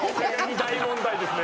大問題ですね。